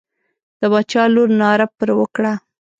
د باچا لور ناره پر وکړه.